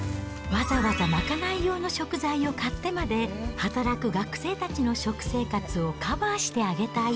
わざわざ賄い用の食材を買ってまで、働く学生たちの食生活をカバーしてあげたい。